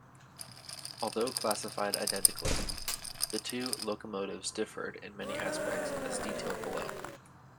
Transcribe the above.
Although classified identically, the two locomotives differed in many aspects, as detailed below.